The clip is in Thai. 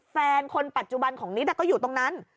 แฟนคนปัจจุบันของนิดก็อยู่ตรงนั้น